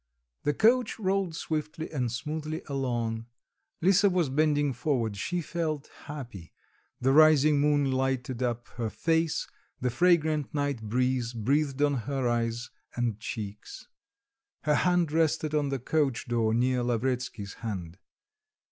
The coach rolled swiftly and smoothly along; Lisa was bending forward, she felt happy; the rising moon lighted up her face, the fragrant night on breeze breathed on her eyes and cheeks. Her hand rested on the coach door near Lavretsky's hand.